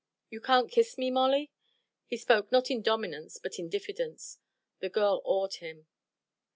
"You can't kiss me, Molly?" He spoke not in dominance but in diffidence. The girl awed him.